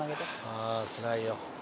ああつらいよ。